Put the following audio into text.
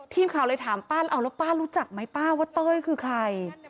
ทีมข่าวเลยถามป้าแล้วเอาแล้วป้ารู้จักไหมป้าว่าเต้ยคือใคร